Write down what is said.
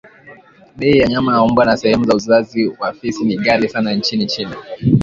bei ya nyama ya mbwa na sehemu za uzazi wa fisi ni ghali sana nchini China